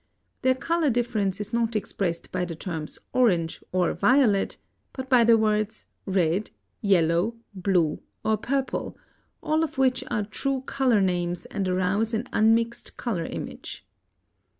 Their color difference is not expressed by the terms "orange" or "violet," but by the words "red," "yellow," "blue," or "purple," all of which are true color names and arouse an unmixed color image.